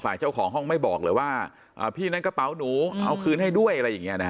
เจ้าของห้องไม่บอกเลยว่าพี่นั้นกระเป๋าหนูเอาคืนให้ด้วยอะไรอย่างเงี้นะฮะ